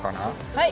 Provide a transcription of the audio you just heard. はい！